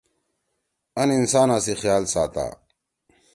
اَن انسانا سی خیال ساتا۔